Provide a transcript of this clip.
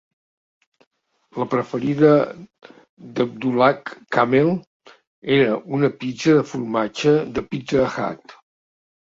La preferida d'Abdullah Kamel era una pizza de formatge de Pizza Hut.